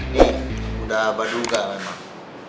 nih udah abah duga memang